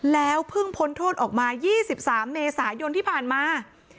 แล้วเพิ่งพ้นโทษออกมา๒๓เมษายนที่ผ่านมา